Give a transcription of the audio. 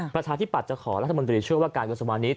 ประชาธิบัตรจะขอรัฐมนตรีเชื่อว่าการกระทรวงภัณฑ์นี้